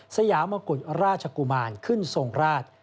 สยามกุฎราชกุมารขึ้นทรงราช